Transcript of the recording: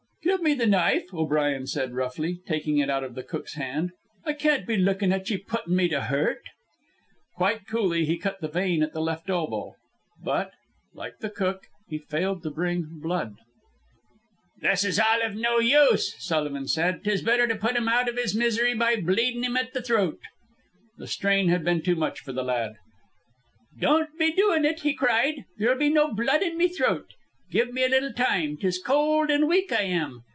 "Give me the knife," O'Brien said roughly, taking it out of the cook's hand. "I can't be lookin' at ye puttin' me to hurt." Quite coolly he cut the vein at the left elbow, but, like the cook, he failed to bring blood. "This is all iv no use," Sullivan said. "'Tis better to put him out iv his misery by bleedin' him at the throat." The strain had been too much for the lad. "Don't be doin' ut," he cried. "There'll be no blood in me throat. Give me a little time. 'Tis cold an' weak I am.